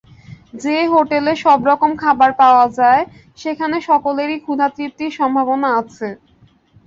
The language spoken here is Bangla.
যে হোটেলে সব রকম খাবার পাওয়া যায়, সেখানে সকলেরই ক্ষুধাতৃপ্তির সম্ভাবনা আছে।